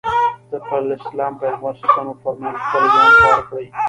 د اسلام پيغمبر ص وفرمايل خپل ځان خوار کړي.